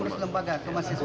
pengurus lembaga kemah siswa